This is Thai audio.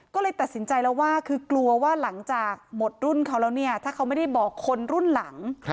ก็เลยตัดสินใจแล้วว่าคือกลัวว่าหลังจากหมดรุ่นเขาแล้วเนี่ยถ้าเขาไม่ได้บอกคนรุ่นหลัง